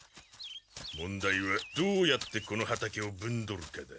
問題はどうやってこの畑をぶんどるかだ。